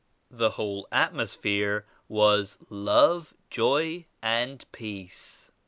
The whole atmosphere was Love, Joy and Peace.